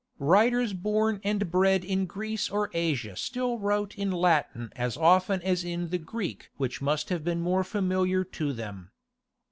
Writers born and bred in Greece or Asia still wrote in Latin as often as in the Greek which must have been more familiar to them.